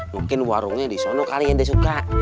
mungkin warungnya di sono kalian deh suka